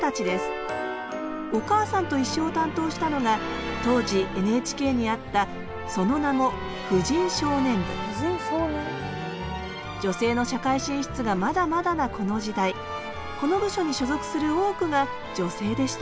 「おかあさんといっしょ」を担当したのが当時ＮＨＫにあったその名も女性の社会進出がまだまだなこの時代この部署に所属する多くが女性でした。